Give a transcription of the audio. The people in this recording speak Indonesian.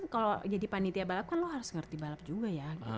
kalau jadi panitia balap kan lo harus ngerti balap juga ya